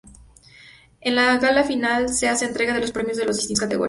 En la gala final se hace entrega de los premios en las distintas categorías.